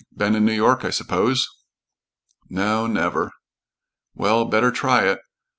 Been in New York, I suppose?" "No, never." "Well, better try it.